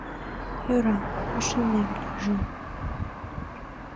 — Йӧра, ӱшанем лийже.